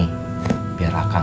nih biar akang